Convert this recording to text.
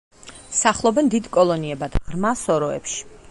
სახლობენ დიდ კოლონიებად, ღრმა სოროებში.